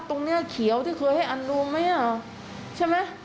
ตรงเนี่ยเขี๊ยวที่เคยให้อันนวมไหมอะ